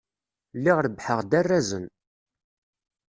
Lliɣ rebbḥeɣ-d arrazen.